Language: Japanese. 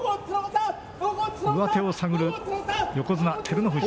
上手を探る、横綱・照ノ富士。